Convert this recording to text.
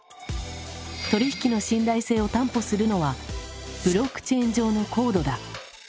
取引の信頼性を担保するのはブロックチェーン上のコードだ。